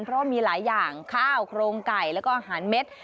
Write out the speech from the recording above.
เพราะว่ามีหลายอย่างข้าวโครงไก่แล้วก็อาหารเม็ด